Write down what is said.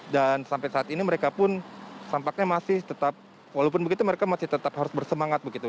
dan sampai saat ini mereka pun sampaknya masih tetap walaupun begitu mereka masih tetap harus bersemangat begitu